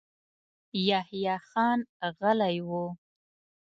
يحيی خان غلی و.